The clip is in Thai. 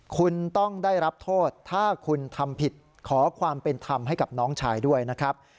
คุณต้องได้รับโทษถ้าคุณทำผิดขอความเป็นธรรมให้กับน้องชายด้วยนะครับ